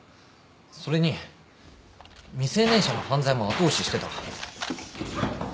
それに未成年者の犯罪も後押ししてた。